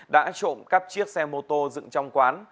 đã trộm cắp chiếc xe mô tô dựng trong quán